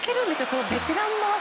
このベテランの技。